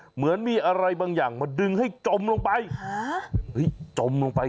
เหมือนมีอะไรบางอย่างมาดึงให้จมลงไปจมลงไป